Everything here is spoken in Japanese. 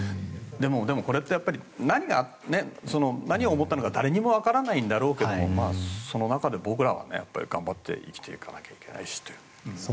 でも、これってやっぱり何を思ったのかは誰にも分からないんだろうけどその中で僕らは頑張って生きていかなきゃいけないし。